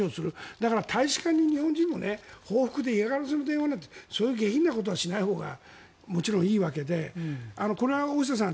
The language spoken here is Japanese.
だから大使館に日本人も報復で嫌がらせをする電話そういうことはしないほうがいいわけでこれは大下さん